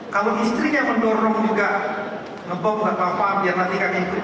kalau istrinya mendorong juga membawa bapak bapak biar nanti kami ikut juga